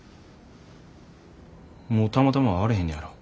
もうたまたま会われへんねやろ？